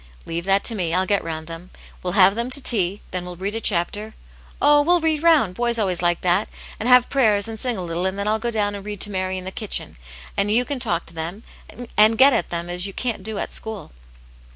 '*" Leave that to me. I'll get round them. We'll have them to tea; then we'll read a chapter; oh, we'll read round, boys always like that, and have prayers, and sing a little, and then I'll go down and read to Mary in the kitchen, and you can talk to them, and get at them as you can't do at school.'